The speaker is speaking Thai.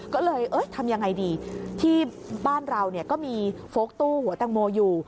ก็เลยทำยังไงดีที่บ้านเราก็มีโฟลกตู้หัวแตงโมอยู่